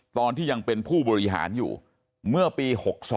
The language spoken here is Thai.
ตอนที่ยังเป็นผู้บริหารอยู่เมื่อปี๖๒